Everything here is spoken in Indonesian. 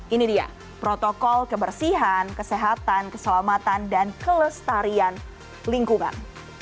ini dia protokol kebersihan kesehatan keselamatan dan kelestarian lingkungan